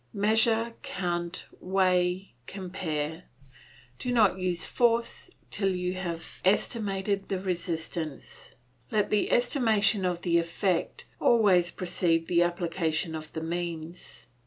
Measure, count, weigh, compare. Do not use force till you have estimated the resistance; let the estimation of the effect always precede the application of the means.